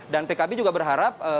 dan pkb juga berharap